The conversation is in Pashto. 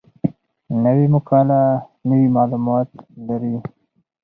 نوې مقاله نوي معلومات لري